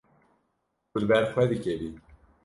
Tu li ber xwe dikevî.